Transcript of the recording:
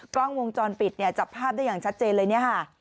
กล้องวงจรปิดเนี่ยจับภาพได้อย่างชัดเจนเลยเนี่ยค่ะ